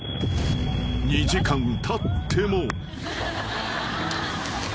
［２時間たっても］